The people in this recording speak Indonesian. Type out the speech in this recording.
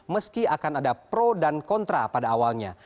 meski akan ada pro dan kontra pada awalnya